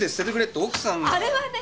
あれはね